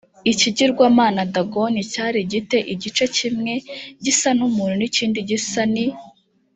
ikigirwamana dagoni cyari gi te igice kimwe gisa n umuntu n ikindi gisa n i